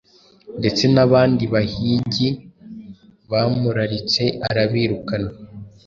Ndetse n’abandi bahigi bamuraritse arabirukana